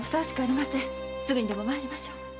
すぐにでもまいりましょう。